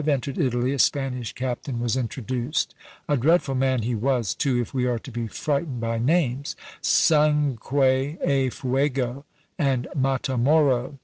entered Italy, a Spanish Captain was introduced; a dreadful man he was too, if we are to be frightened by names: Sanqre e Fuego! and Matamoro!